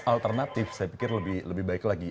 alternatif saya pikir lebih baik lagi